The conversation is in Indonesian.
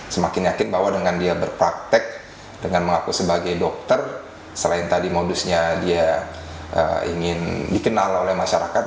semakin yakin bahwa dengan dia berpraktek dengan mengaku sebagai dokter selain tadi modusnya dia ingin dikenal oleh masyarakat